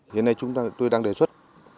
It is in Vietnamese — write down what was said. hiện nay tôi đang đề xuất